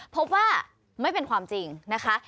พบว่าไม่เป็นความจริงนะคะ